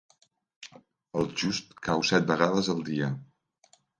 El just cau set vegades al dia.